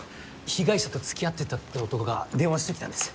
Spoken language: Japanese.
被害者とつきあってたって男が電話してきたんです。